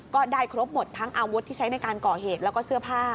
ก็ได้ครบหมดทั้งอาวุธที่ใช้ในการก่อเหตุแล้วก็เสื้อผ้า